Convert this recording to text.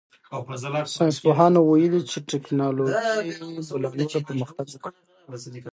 ساینس پوهانو ویلي چې تکنالوژي به لا نوره پرمختګ وکړي.